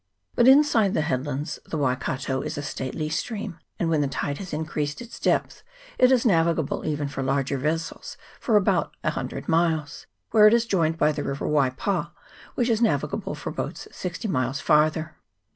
But inside the headlands the Waikato is a stately stream, and when the tide has increased its depth it is navigable even for larger vessels for about a hundred miles, where it is joined by the river Waipa, which is navigable for boats sixty miles farther.